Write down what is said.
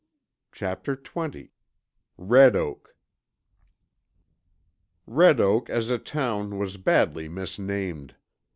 Chapter XX RED OAK Red Oak as a town was badly misnamed.